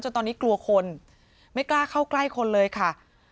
ตอนนี้กลัวคนไม่กล้าเข้าใกล้คนเลยค่ะ